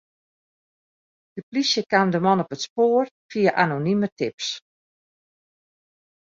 De plysje kaam de man op it spoar fia anonime tips.